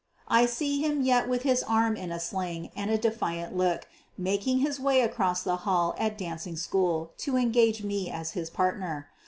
I see him yet with his arm in a sling and a defiant look, making his way across the hall at dancing school to engage me as his partner.